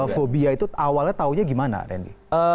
fobia itu awalnya taunya gimana randy